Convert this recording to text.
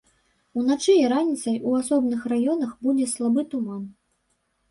Уначы і раніцай у асобных раёнах будзе слабы туман.